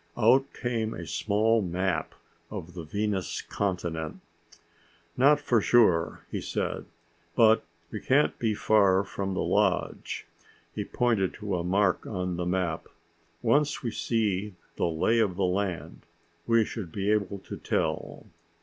Out came a small map of the Venus continent. "Not for sure," he said. "But we can't be far from the lodge." He pointed to a mark on the map. "Once we see the lay of the land, we should be able to tell."